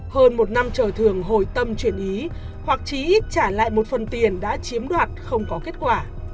hơn một năm chờ thường hồi tâm chuyển ý hoặc chí ít trả lại một phần tiền đã chiếm đoạt không có kết quả